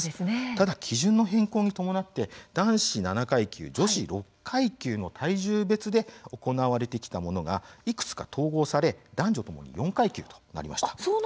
ただ、基準の変更に伴って男子７階級、女子６階級の体重別で行われてきたものがいくつか統合され男女ともに４階級となりました。